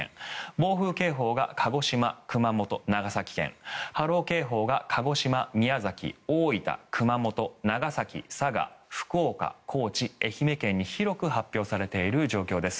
暴風警報が鹿児島、熊本、長崎県波浪警報が鹿児島、宮崎、大分、熊本長崎、佐賀、福岡、高知愛媛県に広く発表されている状況です。